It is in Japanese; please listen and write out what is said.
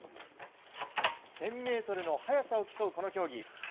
１０００ｍの速さを競うこの競技。